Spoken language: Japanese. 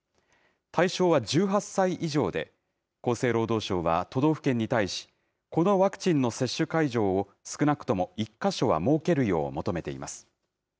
対象は１８歳以上で、厚生労働省は、都道府県に対し、このワクチンの接種会場を少なくとも１か所は設けるよう求めています。